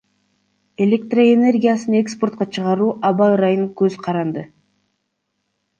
Электроэнергиясын экспортко чыгаруу аба ырайынан көзкаранды.